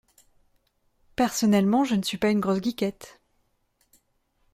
Personnellement, je ne suis pas une grosse geekette…